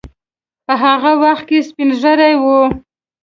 په هغه وخت کې سپین ږیری وو.